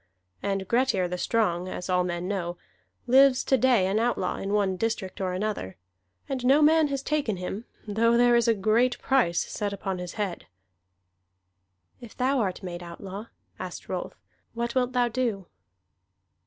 And Grettir the Strong, as all men know, lives to day an outlaw, in one district or another; and no man has taken him, though there is a great price set upon his head." "If thou art made outlaw," asked Rolf, "what wilt thou do?"